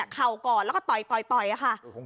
เขาก่อนแล้วก็โต๊ะโต๊ะโต๊ะ